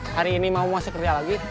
hari ini mau masuk kerja lagi